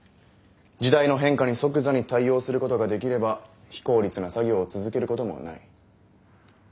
時代の変化に即座に対応することができれば非効率な作業を続けることもない。